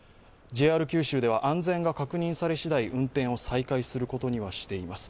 ＪＲ九州では安全が確認されしだい運転を再開することにしています。